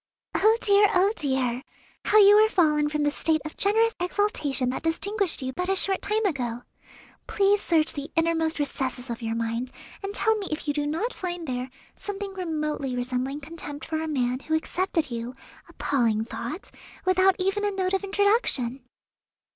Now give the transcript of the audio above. "Oh, dear, oh, dear! how you are fallen from the state of generous exaltation that distinguished you but a short time ago. Please search the innermost recesses of your mind, and tell me if you do not find there something remotely resembling contempt for a man who accepted you appalling thought! without even a note of introduction."